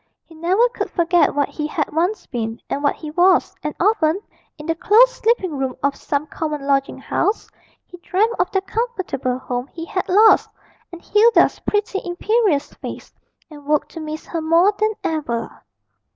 He never could forget what he had once been, and what he was, and often, in the close sleeping room of some common lodging house, he dreamed of the comfortable home he had lost, and Hilda's pretty imperious face, and woke to miss her more than ever.